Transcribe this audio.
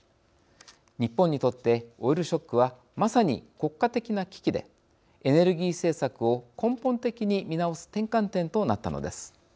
日本にとって、オイルショックはまさに国家的な危機でエネルギー政策を根本的に見直す転換点となったのです。